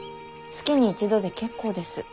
月に一度で結構です。